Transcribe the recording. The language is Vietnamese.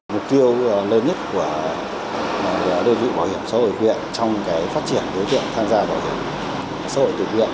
mục tiêu lớn nhất của đối tượng bảo hiểm xã hội tự nguyện trong cái phát triển đối tượng tham gia bảo hiểm xã hội tự nguyện